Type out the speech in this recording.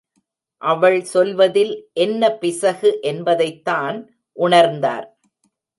அவள் சொல்வதில் என்ன பிசகு என்பதைத்தான் உணர்ந்தார்.